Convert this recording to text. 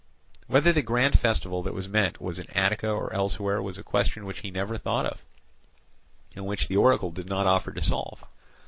Whether the grand festival that was meant was in Attica or elsewhere was a question which he never thought of, and which the oracle did not offer to solve.